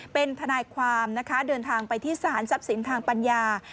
เป็นทนายความนะคะเดินทางไปที่สารทรัพย์สินทางปัญญา